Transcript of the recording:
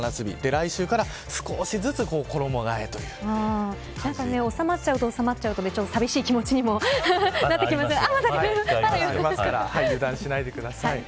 来週から少しずつ収まっちゃったら収まっちゃったで寂しい気持ちにも油断しないでください。